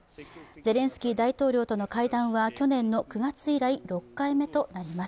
ゼレンスキー大統領との会談は去年の９月以来６回目となります。